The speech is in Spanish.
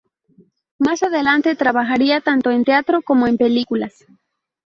Más adelante, trabajaría tanto en teatro como en películas.